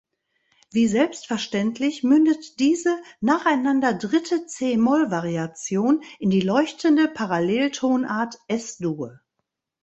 Wie selbstverständlich mündet diese nacheinander dritte c-Moll-Variation in die leuchtende Paralleltonart Es-Dur.